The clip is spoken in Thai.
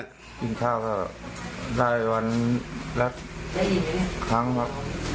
กินข้าวก็ได้วันละครั้งครับ